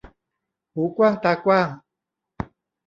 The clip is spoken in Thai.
หูกว้างตากว้าง